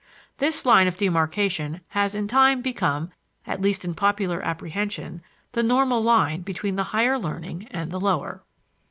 This line of demarcation has in time become, at least in popular apprehension, the normal line between the higher learning and the lower.